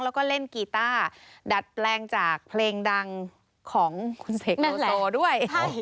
แล้วก็เล่นกีต้าดัดแปลงจากเพลงดังของคุณเสกโลโซด้วย